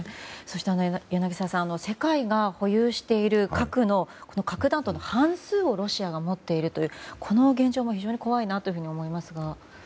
柳澤さん、世界が保有している核弾頭の半数をロシアが持っているというこの現状も非常に怖いなと思いますが。